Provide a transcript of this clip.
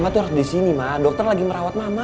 mama tuh harus di sini ma dokter lagi merawat mama